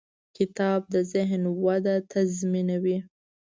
کتاب د ذهن وده تضمینوي.